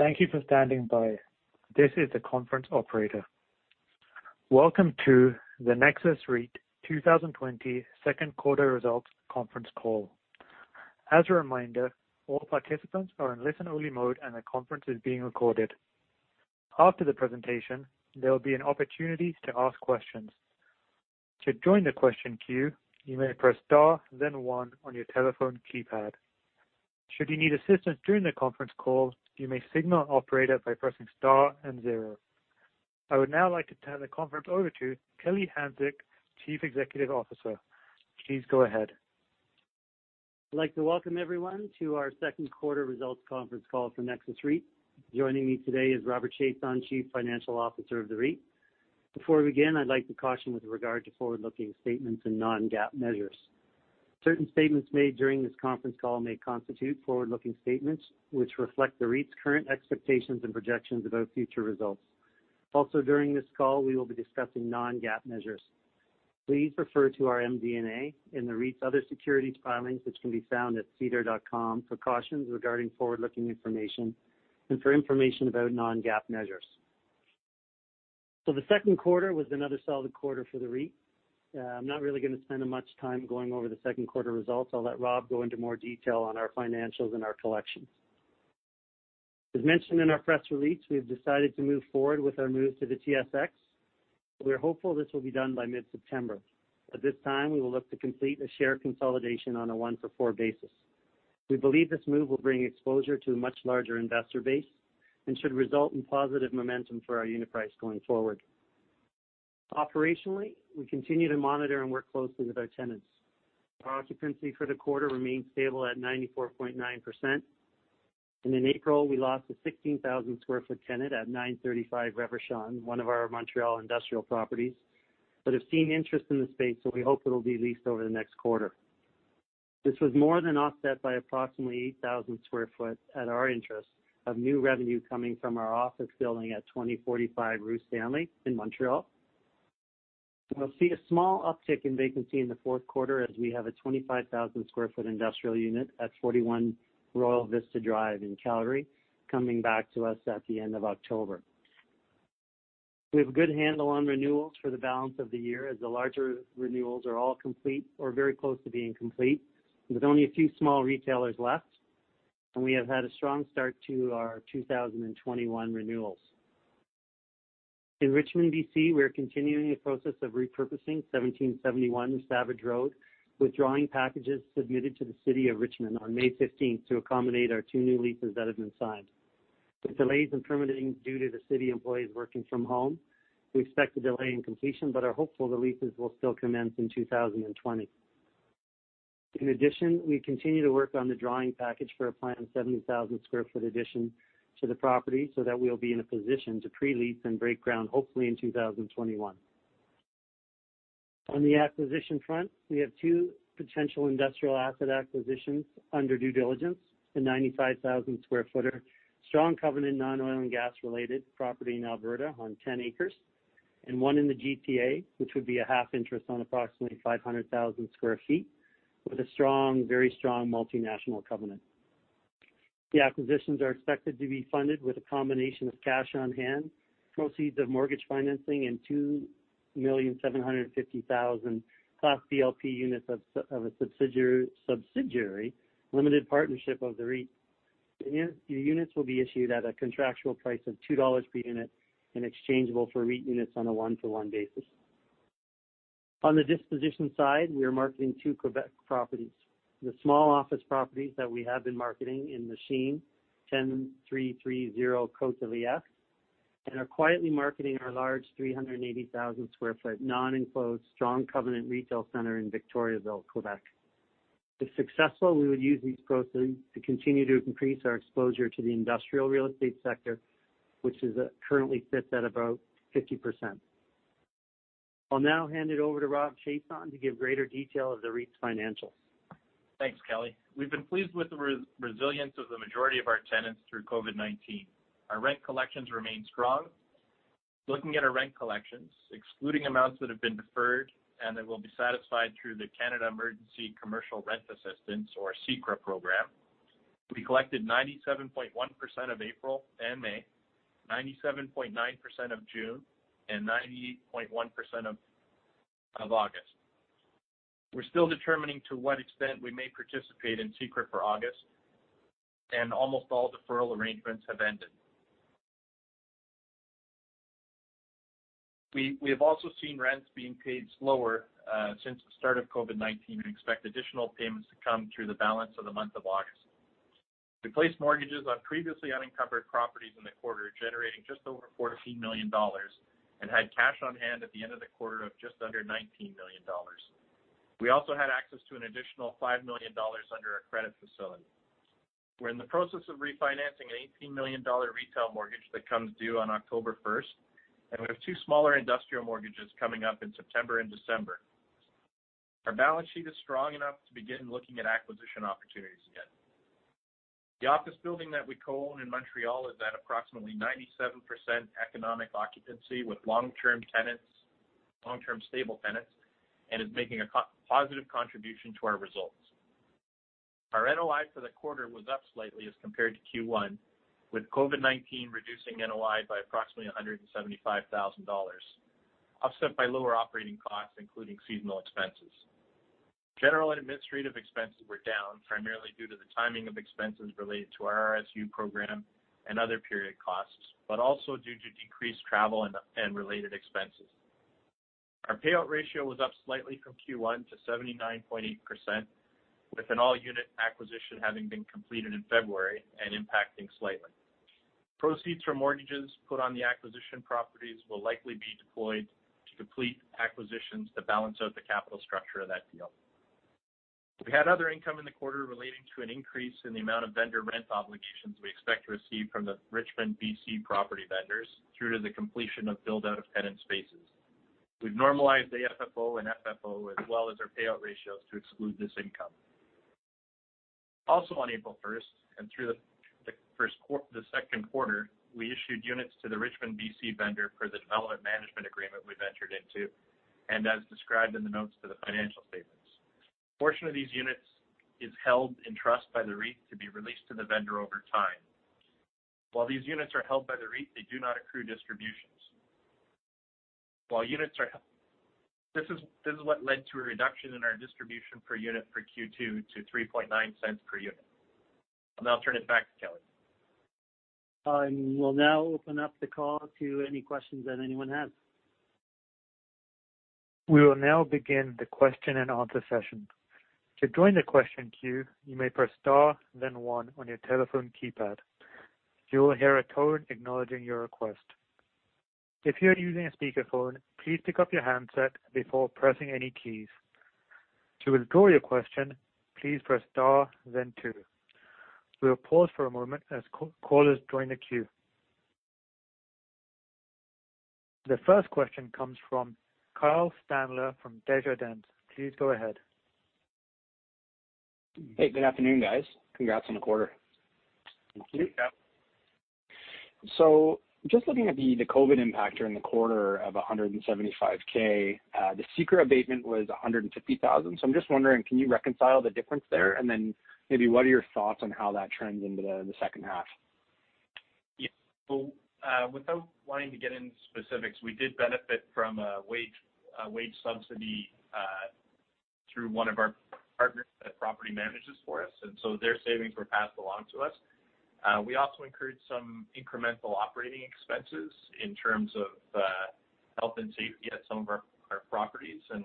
Thank you for standing by. This is the conference operator. Welcome to the Nexus REIT 2020 Second Quarter Results Conference Call. As a reminder, all participants are in listen-only mode, and the conference is being recorded. After the presentation, there will be an opportunity to ask questions. I would now like to turn the conference over to Kelly Hanczyk, Chief Executive Officer. Please go ahead. I'd like to welcome everyone to our second quarter results conference call for Nexus Industrial REIT. Joining me today is Robert Chiasson, Chief Financial Officer of the REIT. Before we begin, I'd like to caution with regard to forward-looking statements and non-GAAP measures. Certain statements made during this conference call may constitute forward-looking statements, which reflect the REIT's current expectations and projections about future results. Also, during this call, we will be discussing non-GAAP measures. Please refer to our MD&A in the REIT's other securities filings, which can be found at SEDAR.com for cautions regarding forward-looking information and for information about non-GAAP measures. The second quarter was another solid quarter for the REIT. I'm not really going to spend much time going over the second quarter results. I'll let Rob go into more detail on our financials and our collections. As mentioned in our press release, we have decided to move forward with our move to the TSX. We're hopeful this will be done by mid-September. At this time, we will look to complete a share consolidation on a one for four basis. We believe this move will bring exposure to a much larger investor base and should result in positive momentum for our unit price going forward. Operationally, we continue to monitor and work closely with our tenants. Our occupancy for the quarter remains stable at 94.9%. In April, we lost a 16,000 sq ft tenant at 935 Reverchon, one of our Montreal industrial properties. Have seen interest in the space, we hope it'll be leased over the next quarter. This was more than offset by approximately 8,000 sq ft at our interest of new revenue coming from our office building at 2045 Rue Stanley in Montreal. We'll see a small uptick in vacancy in the fourth quarter as we have a 25,000 sq ft industrial unit at 41 Royal Vista Drive in Calgary coming back to us at the end of October. We have a good handle on renewals for the balance of the year as the larger renewals are all complete or very close to being complete, with only a few small retailers left. We have had a strong start to our 2021 renewals. In Richmond, B.C., we are continuing the process of repurposing 1771 Savage Road, with drawing packages submitted to the City of Richmond on May 15th to accommodate our two new leases that have been signed. With delays in permitting due to the city employees working from home, we expect a delay in completion but are hopeful the leases will still commence in 2020. In addition, we continue to work on the drawing package for a planned 70,000 sq ft addition to the property so that we'll be in a position to pre-lease and break ground hopefully in 2021. On the acquisition front, we have two potential industrial asset acquisitions under due diligence. A 95,000 sq ft, strong covenant, non-oil and gas-related property in Alberta on 10 acres, and one in the GTA, which would be a half interest on approximately 500,000 sq ft with a very strong multinational covenant. The acquisitions are expected to be funded with a combination of cash on hand, proceeds of mortgage financing, and 2,750,000 Class B LP Units of a subsidiary limited partnership of the REIT. The units will be issued at a contractual price of 2 dollars per unit and exchangeable for REIT units on a 1-to-1 basis. On the disposition side, we are marketing two Quebec properties. The small office properties that we have been marketing in Lachine, 10330 Côte-de-Liesse, and are quietly marketing our large 380,000 sq ft non-enclosed strong covenant retail center in Victoriaville, Quebec. If successful, we would use these proceeds to continue to increase our exposure to the industrial real estate sector, which currently sits at about 50%. I'll now hand it over to Robert Chiasson to give greater detail of the REIT's financials. Thanks, Kelly. We've been pleased with the resilience of the majority of our tenants through COVID-19. Our rent collections remain strong. Looking at our rent collections, excluding amounts that have been deferred and that will be satisfied through the Canada Emergency Commercial Rent Assistance, or CECRA program, we collected 97.1% of April and May, 97.9% of June, and 98.1% of August. We're still determining to what extent we may participate in CECRA for August, and almost all deferral arrangements have ended. We have also seen rents being paid slower since the start of COVID-19 and expect additional payments to come through the balance of the month of August. We placed mortgages on previously unencumbered properties in the quarter, generating just over 14 million dollars, and had cash on hand at the end of the quarter of just under 19 million dollars. We also had access to an additional 5 million dollars under our credit facility. We are in the process of refinancing a 18 million dollar retail mortgage that comes due on October 1st. We have two smaller industrial mortgages coming up in September and December. Our balance sheet is strong enough to begin looking at acquisition opportunities again. The office building that we co-own in Montreal is at approximately 97% economic occupancy with long-term stable tenants and is making a positive contribution to our results. Our NOI for the quarter was up slightly as compared to Q1, with COVID-19 reducing NOI by approximately 175,000 dollars, offset by lower operating costs, including seasonal expenses. General and administrative expenses were down primarily due to the timing of expenses related to our RSU program and other period costs, but also due to decreased travel and related expenses. Our payout ratio was up slightly from Q1 to 79.8%, with an all-unit acquisition having been completed in February and impacting slightly. Proceeds from mortgages put on the acquisition properties will likely be deployed to complete acquisitions to balance out the capital structure of that deal. We had other income in the quarter relating to an increase in the amount of vendor rent obligations we expect to receive from the Richmond BC property vendors through to the completion of build-out of tenant spaces. We've normalized the AFFO and FFO, as well as our payout ratios, to exclude this income. Also on April 1st and through the second quarter, we issued units to the Richmond BC vendor for the development management agreement we entered into, and as described in the notes to the financial statements. A portion of these units is held in trust by the REIT to be released to the vendor over time. While these units are held by the REIT, they do not accrue distributions. This is what led to a reduction in our distribution per unit for Q2 to 0.039 cent per unit. I'll now turn it back to Kelly. I will now open up the call to any questions that anyone has. We will now begin the question and answer session. To join the question queue, you may press star then one on your telephone keypad. You will hear a tone acknowledging your request. If you are using a speakerphone, please pick up your handset before pressing any keys. To withdraw your question, please press star then two. We'll pause for a moment as callers join the queue. The first question comes from Kyle Stanley from Desjardins. Please go ahead. Hey, good afternoon, guys. Congrats on the quarter. Thank you. Yeah. Just looking at the COVID-19 impact during the quarter of 175,000. The CECRA abatement was 150,000. I'm just wondering, can you reconcile the difference there and then maybe what are your thoughts on how that trends into the second half? Without wanting to get into specifics, we did benefit from a wage subsidy through one of our partners that property manages for us, and so their savings were passed along to us. We also incurred some incremental operating expenses in terms of health and safety at some of our properties. The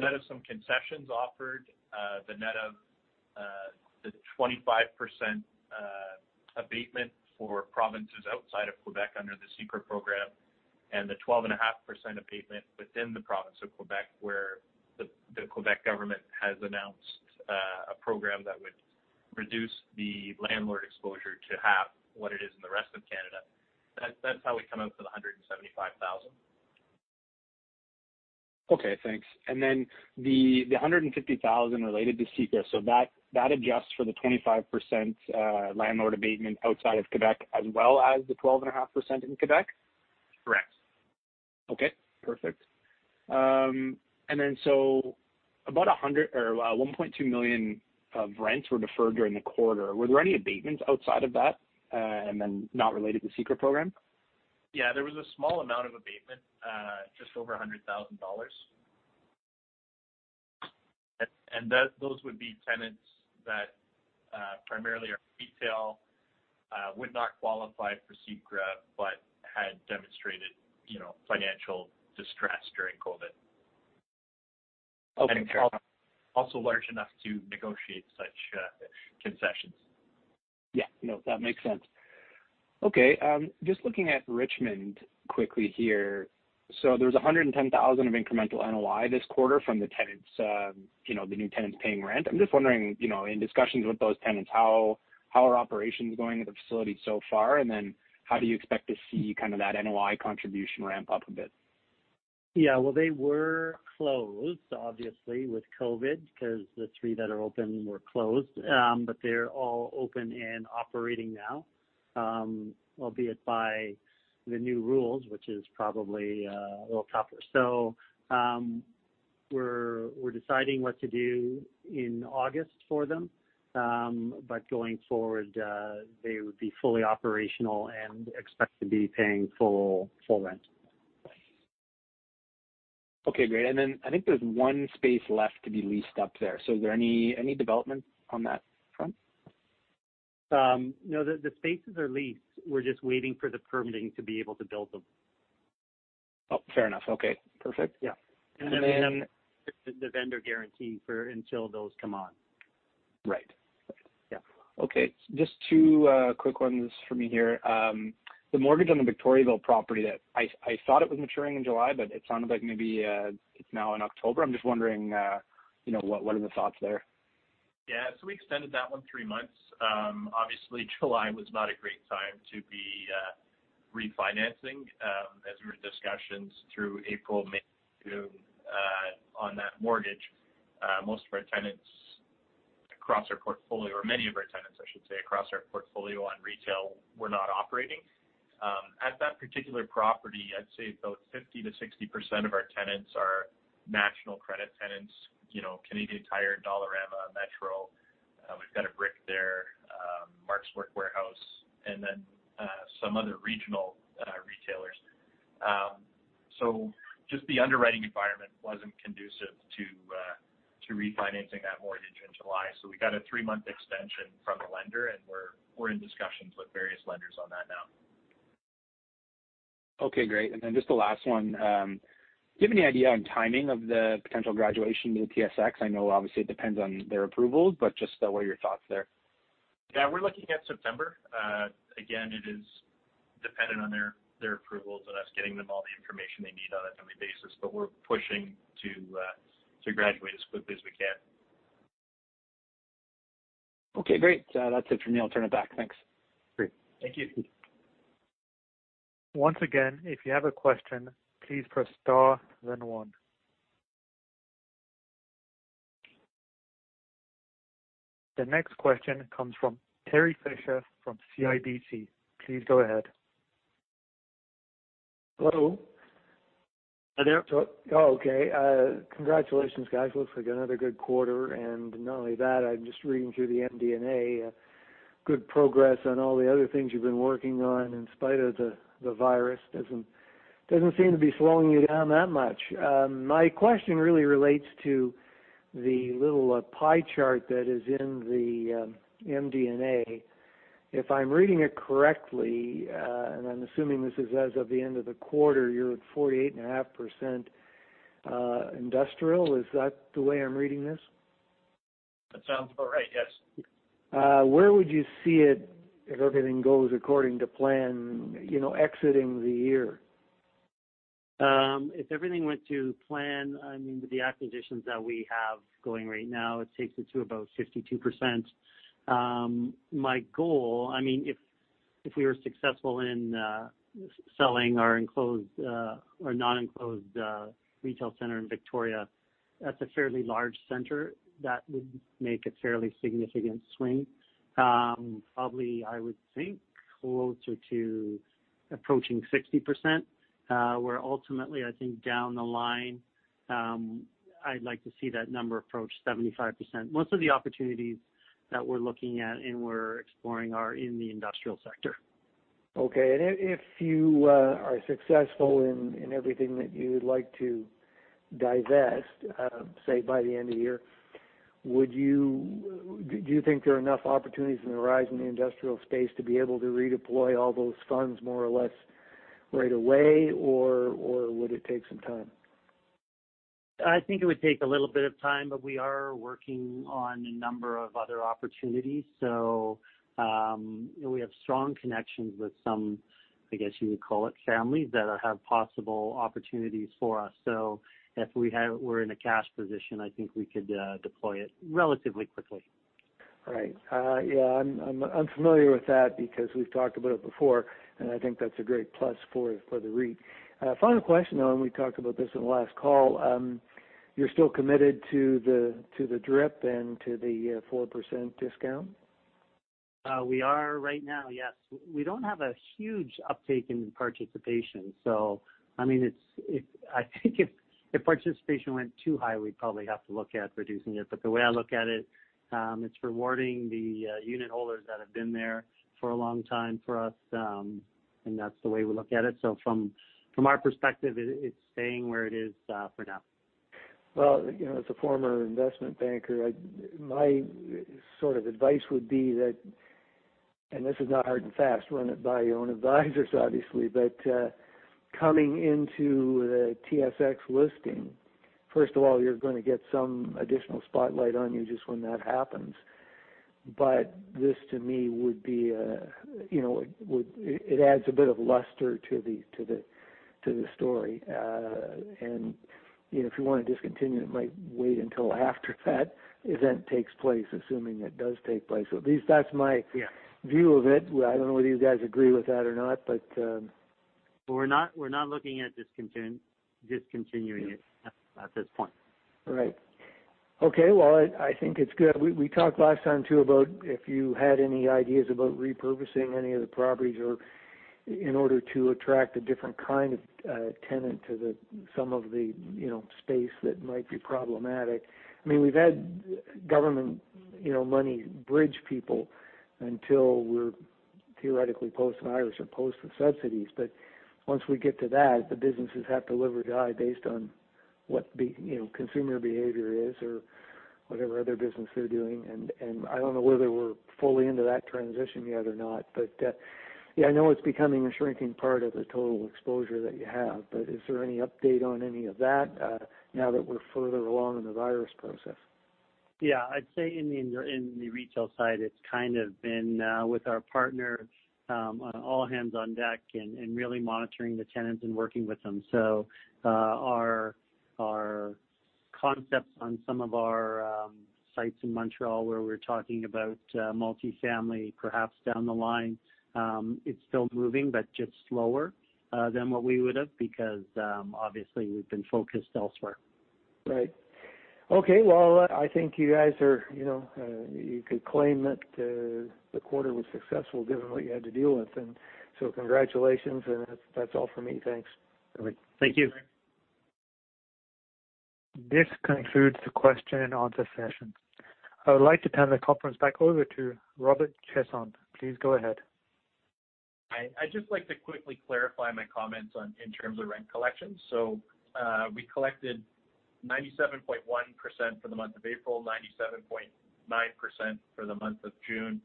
net of some concessions offered, the net of the 25% abatement for provinces outside of Quebec under the CECRA program and the 12.5% abatement within the province of Quebec, where the Quebec government has announced a program that would reduce the landlord exposure to half what it is in the rest of Canada. That's how we come up with the 175,000. Okay, thanks. The 150,000 related to CECRA, so that adjusts for the 25% landlord abatement outside of Quebec as well as the 12.5% in Quebec? Correct. Okay, perfect. About 1.2 million of rents were deferred during the quarter. Were there any abatements outside of that and then not related to CECRA program? Yeah, there was a small amount of abatement, just over 100,000 dollars. Those would be tenants that primarily are retail, would not qualify for CECRA but had demonstrated financial distress during COVID. Okay. Also large enough to negotiate such concessions. Yeah. No, that makes sense. Okay, just looking at Richmond quickly here. There's 110,000 of incremental NOI this quarter from the new tenants paying rent. I'm just wondering, in discussions with those tenants, how are operations going at the facility so far? How do you expect to see kind of that NOI contribution ramp up a bit? Yeah. Well, they were closed, obviously, with COVID because the three that are open were closed. They're all open and operating now, albeit by the new rules, which is probably a little tougher. We're deciding what to do in August for them. Going forward, they would be fully operational and expect to be paying full rent. Okay, great. I think there's one space left to be leased up there. Is there any development on that front? No. The spaces are leased. We're just waiting for the permitting to be able to build them. Oh, fair enough. Okay, perfect. Yeah. Then the vendor guarantee for until those come on. Right. Yeah. Okay. Just two quick ones for me here. The mortgage on the Victoriaville property that I thought it was maturing in July, but it sounded like maybe it's now in October. I'm just wondering, what are the thoughts there? Yeah. We extended that one three months. Obviously July was not a great time to be refinancing. As we were in discussions through April, May, June on that mortgage. Most of our tenants across our portfolio, or many of our tenants, I should say, across our portfolio on retail were not operating. At that particular property, I'd say about 50%-60% of our tenants are national credit tenants, Canadian Tire, Dollarama, Metro. We've got a Brick there, Mark's Work Wearhouse, and then some other regional retailers. Just the underwriting environment wasn't conducive to refinancing that mortgage in July. We got a three-month extension from the lender, and we're in discussions with various lenders on that now. Okay, great. Just the last one. Do you have any idea on timing of the potential graduation to the TSX? I know obviously it depends on their approvals, but just what are your thoughts there? Yeah. We're looking at September. Again, it is dependent on their approvals and us getting them all the information they need on a timely basis. We're pushing to graduate as quickly as we can. Okay, great. That's it from me. I'll turn it back. Thanks. Great. Thank you. Once again, if you have a question, please press star then one. The next question comes from Troy MacLean from CIBC. Please go ahead. Hello. Hi there. Oh, okay. Congratulations, guys. Looks like another good quarter. Not only that, I'm just reading through the MD&A, good progress on all the other things you've been working on in spite of the virus. Doesn't seem to be slowing you down that much. My question really relates to the little pie chart that is in the MD&A. If I'm reading it correctly, and I'm assuming this is as of the end of the quarter, you're at 48.5% industrial. Is that the way I'm reading this? That sounds about right, yes. Where would you see it, if everything goes according to plan, exiting the year? If everything went to plan, with the acquisitions that we have going right now, it takes it to about 52%. My goal, if we were successful in selling our non-enclosed retail center in Victoriaville, that's a fairly large center. That would make a fairly significant swing. Probably, I would think closer to approaching 60%, where ultimately, I think down the line, I'd like to see that number approach 75%. Most of the opportunities that we're looking at and we're exploring are in the industrial sector. Okay. If you are successful in everything that you would like to divest, say by the end of the year, do you think there are enough opportunities on the horizon in the industrial space to be able to redeploy all those funds more or less right away or would it take some time? I think it would take a little bit of time, but we are working on a number of other opportunities. We have strong connections with some, I guess you would call it families that have possible opportunities for us. If we're in a cash position, I think we could deploy it relatively quickly. Yeah, I'm familiar with that because we've talked about it before, and I think that's a great plus for the REIT. Final question. We talked about this on the last call. You're still committed to the DRIP and to the 4% discount? We are right now, yes. We don't have a huge uptake in participation. I think if participation went too high, we'd probably have to look at reducing it. The way I look at it's rewarding the unit holders that have been there for a long time for us, and that's the way we look at it. From our perspective, it's staying where it is for now. Well, as a former investment banker, my sort of advice would be that, and this is not hard and fast, run it by your own advisors, obviously. Coming into the TSX listing, first of all, you're going to get some additional spotlight on you just when that happens. This to me it adds a bit of luster to the story. If you want to discontinue, it might wait until after that event takes place, assuming it does take place. Yeah. View of it. I don't know whether you guys agree with that or not. We're not looking at discontinuing it at this point. Right. Okay. Well, I think it's good. We talked last time too about if you had any ideas about repurposing any of the properties or in order to attract a different kind of tenant to some of the space that might be problematic. We've had government money bridge people until we're theoretically post-COVID-19 or post the subsidies. Once we get to that, the businesses have to live or die based on what consumer behavior is or whatever other business they're doing. I don't know whether we're fully into that transition yet or not. Yeah, I know it's becoming a shrinking part of the total exposure that you have, but is there any update on any of that now that we're further along in the COVID-19 process? Yeah. I'd say in the retail side, it's kind of been with our partner on all hands on deck and really monitoring the tenants and working with them. Our concepts on some of our sites in Montreal where we're talking about multifamily perhaps down the line, it's still moving, but just slower than what we would have because, obviously we've been focused elsewhere. Right. Okay. Well, I think you guys could claim that the quarter was successful given what you had to deal with. Congratulations, and that's all for me. Thanks. All right. Thank you. This concludes the question and answer session. I would like to turn the conference back over to Robert Chiasson. Please go ahead. I'd just like to quickly clarify my comments in terms of rent collection. We collected 97.1% for the month of April, 97.9% for the month of June,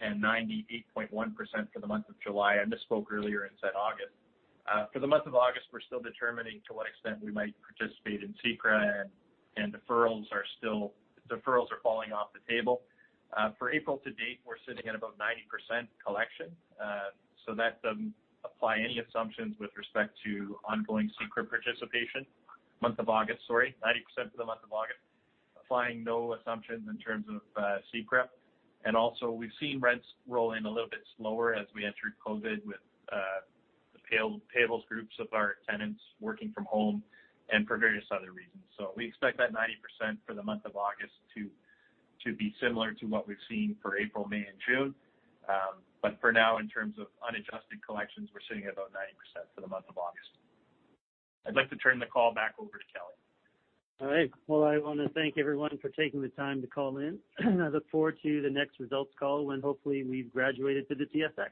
and 98.1% for the month of July. I misspoke earlier and said August. For the month of August, we're still determining to what extent we might participate in CECRA, and deferrals are falling off the table. For April to date, we're sitting at about 90% collection. That doesn't apply any assumptions with respect to ongoing CECRA participation. Month of August, sorry, 90% for the month of August, applying no assumptions in terms of CECRA. We've seen rents roll in a little bit slower as we entered COVID with the payable groups of our tenants working from home and for various other reasons. We expect that 90% for the month of August to be similar to what we've seen for April, May, and June. For now, in terms of unadjusted collections, we're sitting at about 90% for the month of August. I'd like to turn the call back over to Kelly Hanczyk. All right. Well, I want to thank everyone for taking the time to call in. I look forward to the next results call when hopefully we've graduated to the TSX.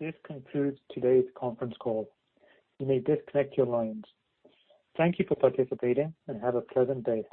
This concludes today's conference call. You may disconnect your lines. Thank you for participating, and have a pleasant day.